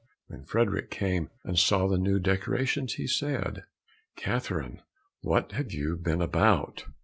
When Frederick came and saw the new decorations, he said, "Catherine, what have you been about?"